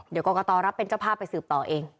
เดี๋ยวกรกตรับเป็นเจ้าภาพไปสืบต่อเอง